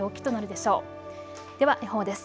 では予報です。